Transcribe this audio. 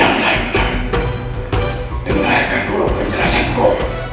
yang lainnya dengarkan buruk penjelasanku